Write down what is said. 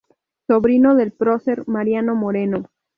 Sobrino del prócer Mariano Moreno.